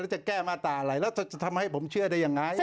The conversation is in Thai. จะแก้มาตราอะไรแล้วจะทำให้ผมเชื่อได้ยังไง